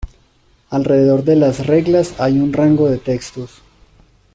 Alrededor de las reglas hay un rango de textos.